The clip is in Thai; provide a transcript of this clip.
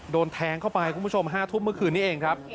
โดนแทงเข้าไปคุณผู้ชม๕ทุ่มเมื่อคืนนี้เองครับ